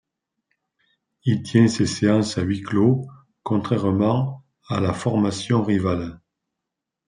Il tient ses séances à huis clos, contrairement à la formation rivale.